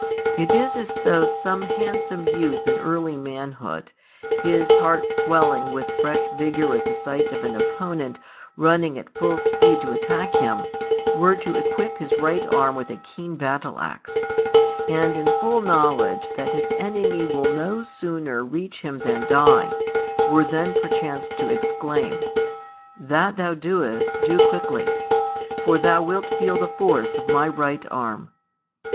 It is as though some handsome youth in early manhood, his heart swelling with fresh vigour at the sight of an opponent running at full speed to attack him, were to equip his right arm with a keen battle axe; and, in full knowledge that his enemy will no sooner reach him than die, were then perchance to exclaim: "That thou doest, do quickly; for thou wilt feel the force of my right arm."